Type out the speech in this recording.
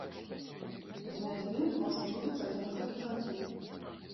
Зняць бінт можна будзе праз некалькі гадзін.